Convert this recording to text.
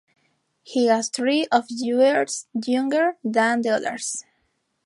He was three or four years younger than the others.